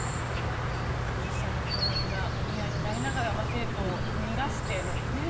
６０歳の教員がもみ合いになりながら生徒を逃がして。